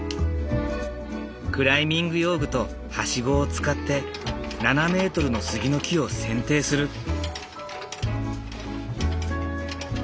クライミング用具とハシゴを使って７ｍの杉の木を剪定する。